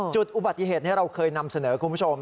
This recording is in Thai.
จุดอุบัติเหตุนี้เราเคยนำเสนอคุณผู้ชม